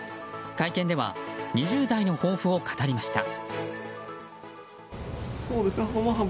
会見では２０代の抱負を語りました。